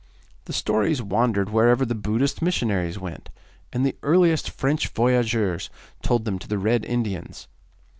The stories wandered wherever the Buddhist missionaries went, and the earliest French voyageurs told them to the Red Indians.